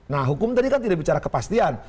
nah hukum tadi kan tidak bicara kepastian